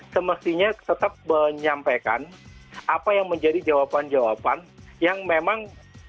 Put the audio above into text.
semestinya tetap menyampaikan apa yang menjadi jawaban jawaban yang memang